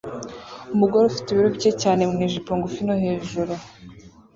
Umugore ufite ibiro bike cyane mwijipo ngufi no hejuru